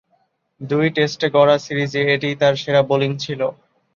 দুই টেস্টে গড়া সিরিজে এটিই তার সেরা বোলিং ছিল।